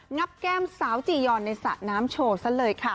งับแก้มสาวจียอนในสระน้ำโชว์ซะเลยค่ะ